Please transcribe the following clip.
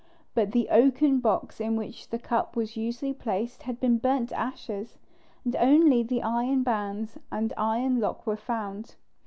But the oaken box in which the cup was usually placed had been burnt to ashes, and only the iron bands and iron lock were found.